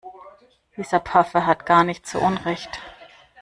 Dieser Pfaffe hat gar nicht so Unrecht.